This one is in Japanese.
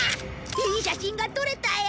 いい写真が撮れたよ！